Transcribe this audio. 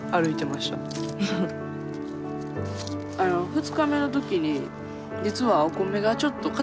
２日目の時に実はお米がちょっとかたかったんですよ。